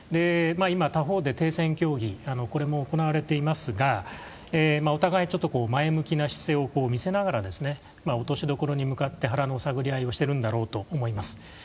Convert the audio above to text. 今、他方で停戦協議も行われていますがお互い前向きな姿勢を見せながら落としどころに向かって腹の探り合いをしているんだろうと思います。